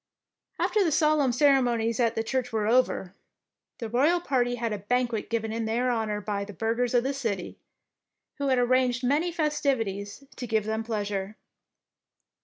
After the solemn ceremonies at the church were over, the royal party had a banquet given in their honour by the burghers of the city, who had arranged many festivities to give them pleasure.